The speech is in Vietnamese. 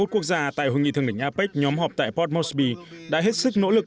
hai mươi một quốc gia tại hội nghị thượng đỉnh apec nhóm họp tại port moresby đã hết sức nỗ lực